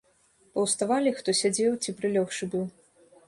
Паўставалі, хто сядзеў ці прылёгшы быў.